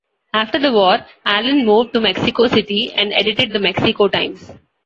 After the war, Allen moved to Mexico City and edited the "Mexico Times".